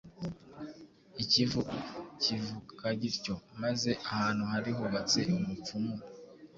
i Kivu kivuka gityo, maze ahantu hari hubatse umupfumu